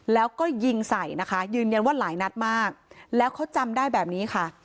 แล้วก็ยิงใส่นะคะยืนยันว่าหลายนัดมากแล้วเขาจำได้แบบนี้ค่ะ